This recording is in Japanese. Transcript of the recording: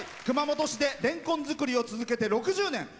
熊本市でれんこん作りを続けて６０年。